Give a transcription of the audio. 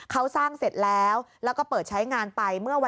เขาสร้างเสร็จแล้วแล้วก็เปิดใช้งานไป